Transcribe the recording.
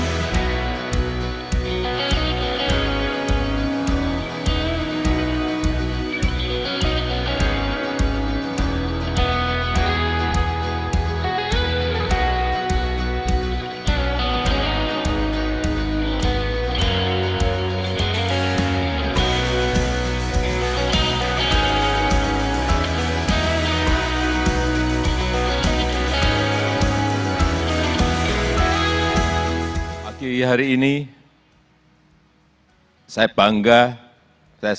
dan pemerintah indonesia